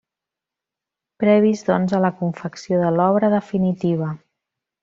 Previs doncs a la confecció de l'obra definitiva.